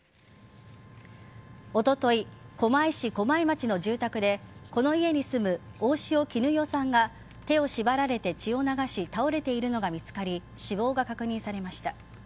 おととい狛江市駒井町の住宅でこの家に住む大塩衣与さんが手を縛られて血を流し倒れているのが見つかり死亡が確認されました。